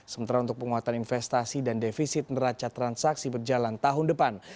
sementara untuk penguatan investasi dan defisit neraca transaksi berjalan tahun depan